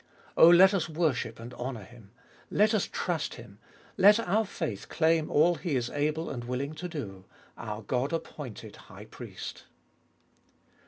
Oh, let us worship and honour Him. Let us trust Him. Let our faith claim all He is able and willing to do— our God appointed High Priest.